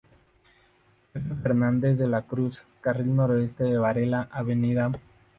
F. Fernández de la Cruz, carril noreste de Varela, Av.